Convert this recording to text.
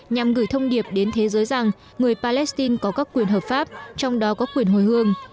nhằm gửi thông điệp đến thế giới rằng người palestine có các quyền hợp pháp trong đó có quyền hồi hương